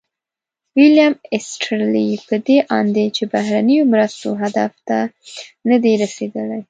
ویلیم ایسټیرلي په دې اند دی چې بهرنیو مرستو هدف ته نه دي رسیدلي.